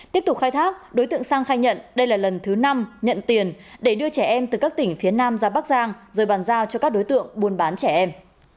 tiếp tục khai thác đối tượng sang khai nhận đây là lần thứ năm nhận tiền để đưa trẻ em từ các tỉnh phía nam ra bắc giang rồi bàn giao cho các đối tượng buôn bán trẻ em